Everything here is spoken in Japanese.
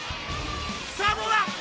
さぁどうだ？